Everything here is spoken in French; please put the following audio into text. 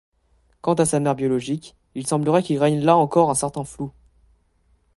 Quant à sa mère biologique, il semblerait qu’il règne là encore un certain flou.